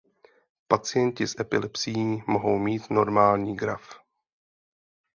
Pacienti s epilepsií mohou mít normální graf.